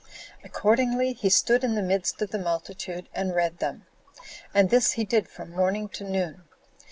Accordingly, he stood in the midst of the multitude and read them; and this he did from morning to noon.